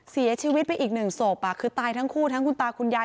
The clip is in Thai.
เสียชีวิตไปอีกหนึ่งศพคือตายทั้งคู่ทั้งคุณตาคุณยาย